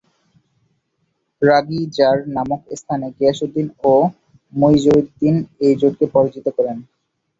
রাগ-ই jar নামক স্থানে গিয়াসউদ্দিন ও মুইজউদ্দিন এই জোটকে পরাজিত করেন।